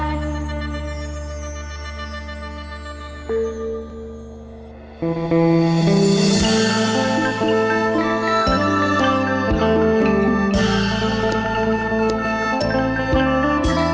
จริงสุริยะและมีเทียมใจ